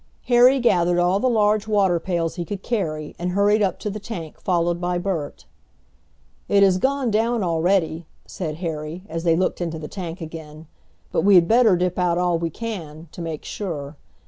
Harry gathered all the large water pails he could carry, and hurried up to the tank followed by Bert. "It has gone down already," said Harry, as they looked into the tank again. "But we had better dip out all we can, to make sure.